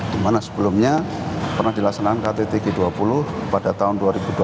di mana sebelumnya pernah dilaksanakan ktt g dua puluh pada tahun dua ribu dua puluh